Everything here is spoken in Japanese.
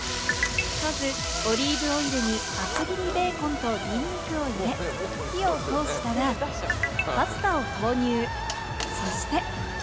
まずオリーブオイルに厚切りベーコンとニンニクを入れ、火を通したらパスタを投入、そして。